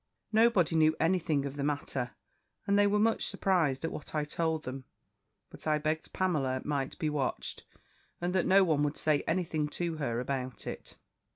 Nobody knew any thing of the matter, and they were much surprised at what I told them: but I begged Pamela might be watched, and that no one would say any thing to her about it.